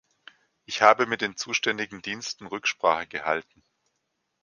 Ich habe mit den zuständigen Diensten Rücksprache gehalten.